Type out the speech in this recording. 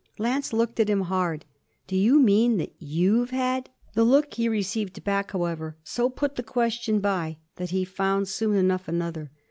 Lance looked at him hard. 'Do you mean that you've had ?' The look he received back, however, so put the question by that he found soon enough another.